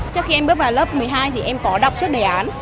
trước khi em bước vào lớp một mươi hai thì em có đọc trước đề án